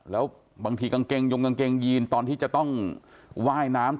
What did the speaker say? แล้วบางทีกางเกงยงกางเกงยีนตอนที่จะต้องว่ายน้ำ